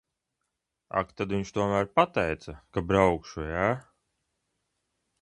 Ak tad viņš tomēr pateica, ka braukšu, ja?